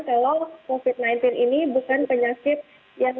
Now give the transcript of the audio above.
kalau covid sembilan belas ini bukan penyakit yang